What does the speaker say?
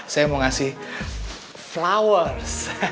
saya mau ngasih flowers